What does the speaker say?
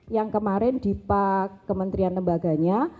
yang kemarin di pak kementerian lembaganya